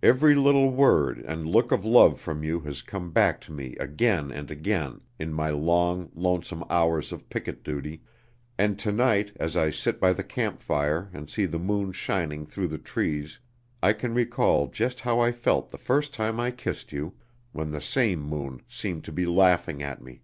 Every little word and look of love from you has come back to me again and again in my long, lonesome hours of picket duty, and to night as I sit by the camp fire and see the moon shining through the trees I can recall just how I felt the first time I kissed you, when the same moon seemed to be laughing at me.